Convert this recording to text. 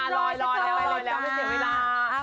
ลอยลอยไปเลยแล้วไม่เสียเวลา